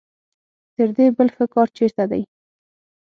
تر دې بل ښه کار چېرته دی.